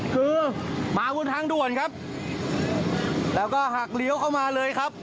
คือมาบนทางด่วนครับแล้วก็หักเลี้ยวเข้ามาเลยครับ